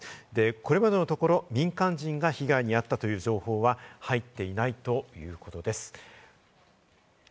これまでのところ民間人に被害があったという情報は入っていないということです。